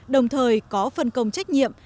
đồng thời có phân công trách nhiệm